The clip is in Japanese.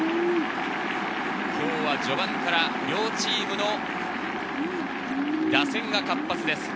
今日は序盤から両チームの打線が活発です。